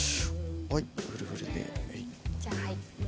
じゃあはい。